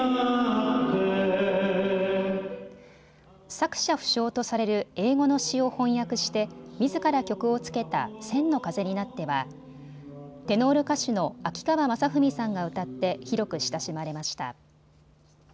作者不詳とされる英語の詩を翻訳してみずから曲をつけた千の風になってはテノール歌手の秋川雅史さんが歌って広く親しまれました。